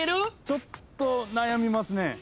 ちょっと悩みますね。